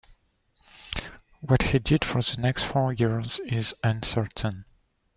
What he did for the next four years is uncertain.